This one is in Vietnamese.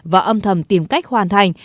và âm thầm tìm cách hoàn thành